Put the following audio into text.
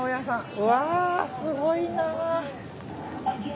うわぁすごいな。